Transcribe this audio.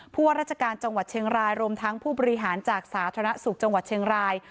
ว่าราชการจังหวัดเชียงรายรวมทั้งผู้บริหารจากสาธารณสุขจังหวัดเชียงราย